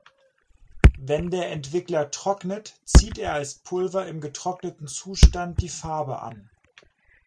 Wenn der Entwickler trocknet, zieht er als Pulver im getrockneten Zustand die Farbe an.